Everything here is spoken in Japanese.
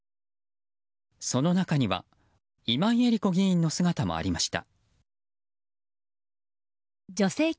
その中には今井絵理子議員の姿もありました。